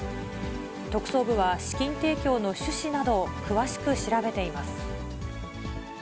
特捜部は資金提供の趣旨などを詳しく調べています。